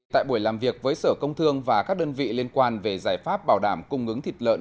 tại buổi làm việc với sở công thương và các đơn vị liên quan về giải pháp bảo đảm cung ứng thịt lợn